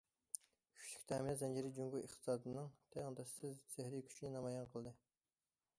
كۈچلۈك تەمىنات زەنجىرى جۇڭگو ئىقتىسادىنىڭ تەڭداشسىز سېھرىي كۈچىنى نامايان قىلدى.